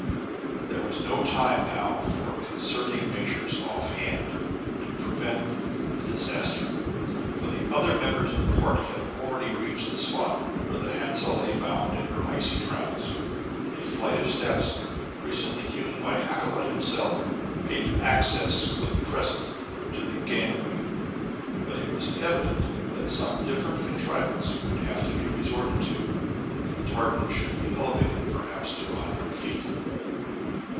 There was no time now for concerting measures offhand to prevent the disaster, for the other members of the party had already reached the spot where the Hansa lay bound in her icy trammels. A flight of steps, recently hewn by Hakkabut himself, gave access for the present to the gangway, but it was evident that some different contrivance would have to be resorted to when the tartan should be elevated perhaps to a hundred feet.